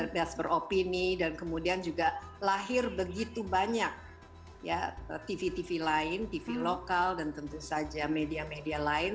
best beropini dan kemudian juga lahir begitu banyak ya tv tv lain tv lokal dan tentu saja media media lain